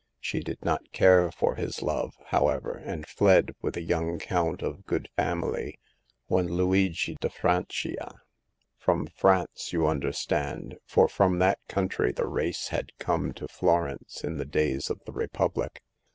She did not care for his love, however, and fled with a young Count of good family, one Luigi da Francia. From France, you understand, for from that country the race had come to Florence in the days of the Republic.